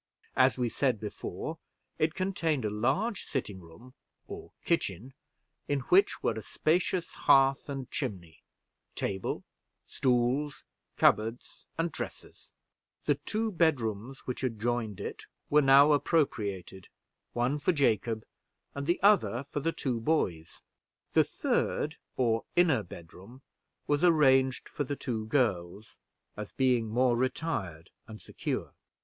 As we said before, it contained a large sitting room, or kitchen, in which was a spacious hearth and chimney, table, stools, cupboards, and dressers: the two bedrooms which adjoined it were now appropriated, one for Jacob and the other for the two boys; the third, or inner bedroom, was arranged for the two girls, as being more retired and secure.